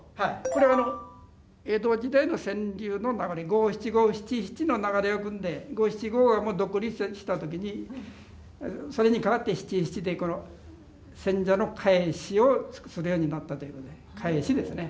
これ江戸時代の川柳の中に五七五七七の流れをくんで五七五が独立した時にそれにかわって七七でこの選者の返しをするようになったということで返しですね。